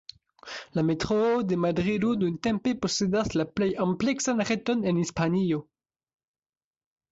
La Metroo de Madrido nuntempe posedas la plej ampleksan reton en Hispanio.